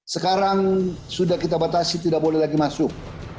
sekarang sudah kita batasi tidak boleh lagi masuk